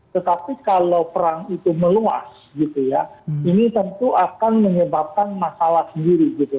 tetapi kalau perang itu meluas gitu ya ini tentu akan menyebabkan masalah sendiri gitu